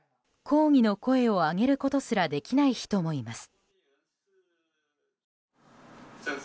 抗議の声を上げることすらできない人もいます。